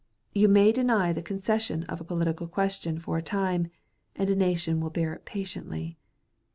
You may deny the concession of a political question for a time, and a nation will bear it patiently.